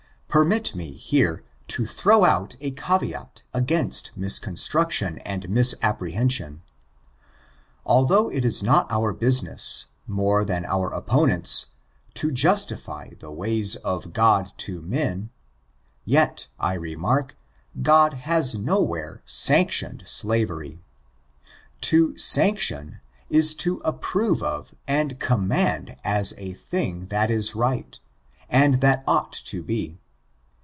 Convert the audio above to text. Permit me, here, to throw out a caveate against misconstruction and misrepresentation. Although it is not our business, more than our opponents, to justify the ways of God to men, yet, I remark, God has no* where sanctioned slavery. To sanction, is to approve of and 'command as a thing that is right, and that ought to be.